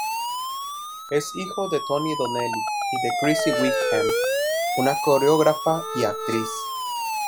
Es hijo de Tony Donnelly y de Chrissie Wickham, una coreógrafa y actriz.